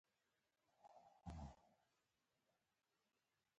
چاکلېټ د کیک جوړولو لپاره هم کارېږي.